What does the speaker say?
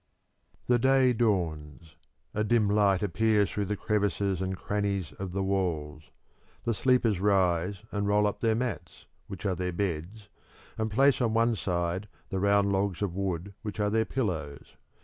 The day dawns; a dim light appears through the crevices and crannies of the walls. The sleepers rise and roll up their mats, which are their beds, and place on one side the round logs of wood which are their pillows.